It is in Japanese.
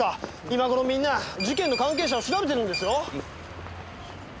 今頃みんな事件の関係者を調べてるんですよ。